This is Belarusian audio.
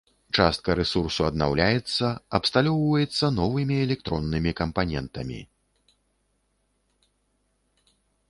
Частка рэсурсу аднаўляецца, абсталёўваецца новымі электроннымі кампанентамі.